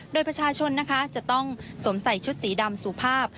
โดยประชาชนนะคะจะต้องสวมใส่ชุดสีดำสุภาพ